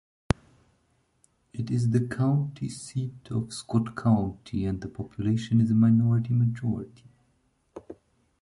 It is the county seat of Scott County and the population is a minority-majority.